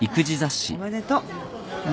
おめでとう。